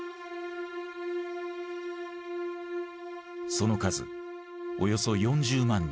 その数およそ４０万人。